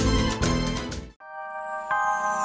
teganya teganya teganya